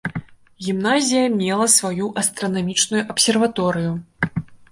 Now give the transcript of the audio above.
Гімназія мела сваю астранамічную абсерваторыю.